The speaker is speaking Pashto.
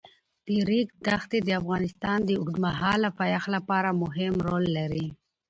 د ریګ دښتې د افغانستان د اوږدمهاله پایښت لپاره مهم رول لري.